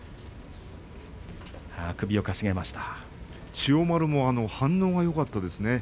千代丸も反応がよかったですね。